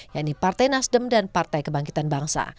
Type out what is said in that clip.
yaitu partai nasdem dan partai kebangkitan bangsa